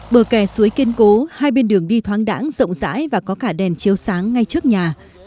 bờ kè suối kiên cố hai bên đường đi thoáng đẳng rộng rãi và có cả đèn chiếu sáng ngay trước nhà